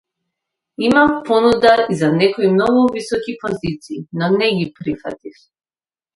Имав понуда и за некои многу високи позиции, но не ги прифатив.